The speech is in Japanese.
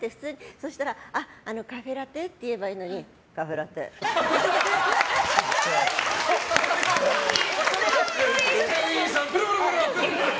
そしたら、普通にカフェラテって言えばいいのにカフェラテって低い声で。